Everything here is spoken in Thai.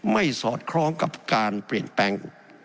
สอดคล้องกับการเปลี่ยนแปลง